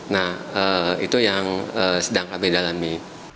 nah itu yang sedang kami dalami